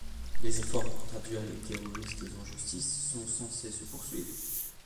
Les efforts pour traduire les terroristes en justice sont sensés se poursuivre.